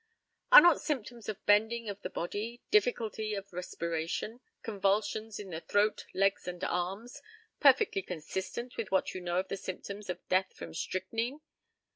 Are not symptoms of bending of the body, difficulty of respiration, convulsions in the throat, legs, and arms, perfectly consistent with what you know of the symptoms of death from strychnine?